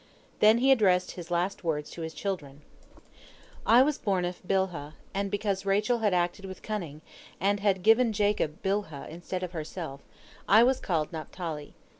Then he addressed his last words to his children: "I was born of Bilhah, and because Rachel had acted with cunning, and had given Jacob Bilhah instead of herself, I was called Naphtali.